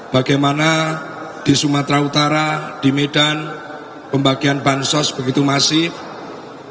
bagaimana di sumatera utara di medan pembagian bansos begitu masif